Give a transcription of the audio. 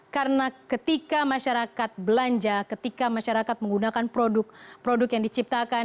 karena ketika masyarakat belanja ketika masyarakat menggunakan produk produk yang diciptakan